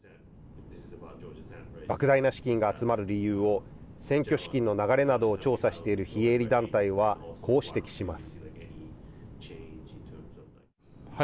莫大な資金が集まる理由を選挙資金の流れなどを調査している非営利団体はこう指摘します。